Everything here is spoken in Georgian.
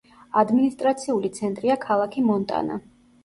ადმინისტრაციული ცენტრია ქალაქი მონტანა.